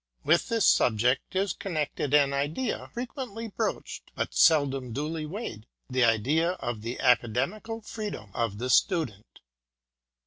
With this subject is connected^ idea, frequently broached but seldom duly weighed, the idea of the Acade mical Freedom of the Student.